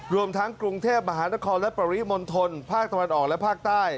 รวมทั้งกรุงเทพมหานครและปริมณฑลภาคตะวันออกและภาคใต้